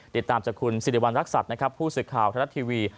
ติดตามจากคุณสิริวัณรักษัตริย์นะครับผู้สื่อข่าวไทยรัฐทีวี